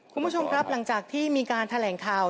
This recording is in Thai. คุณผู้ชมครับหลังจากที่มีการแถลงข่าว